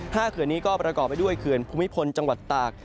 เขื่อนนี้ก็ประกอบไปด้วยเขื่อนภูมิพลจังหวัดตาก